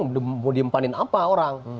mau diempanin apa orang